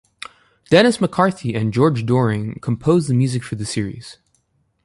Dennis McCarthy and George Doering composed the music for the series.